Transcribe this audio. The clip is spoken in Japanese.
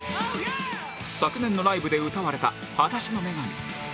昨年のライブで歌われた『裸足の女神』